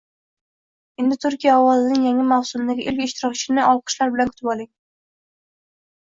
endi Turkiya ovozining yangi mavsumdagi ilk ishtirokchisini olqishlar bilan kutib oling!